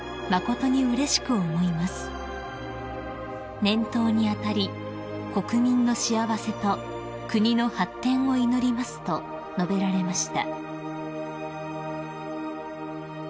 「年頭に当たり国民の幸せと国の発展を祈ります」と述べられました］